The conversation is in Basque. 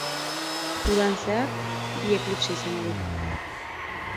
Udan zehar, bi eklipse izango dira.